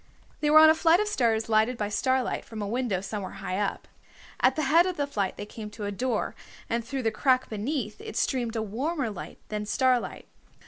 They were on a flight of stairs lighted by starlight from a window somewhere high up. At the head of the flight they came to a door, and through the crack beneath it streamed a warmer light than starlight.